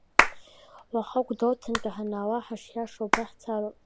Уаха Гәдоуҭантәи ҳанаауа, ҳашиашоу убра ҳцароуп.